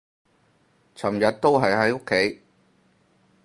尋日都係喺屋企